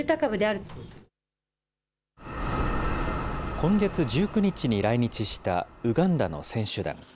今月１９日に来日したウガンダの選手団。